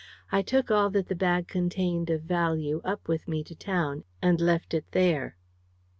I took all that the bag contained of value up with me to town, and left it there."